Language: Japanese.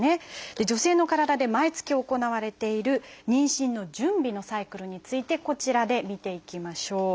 女性の体で毎月行われている妊娠の準備のサイクルについてこちらで見ていきましょう。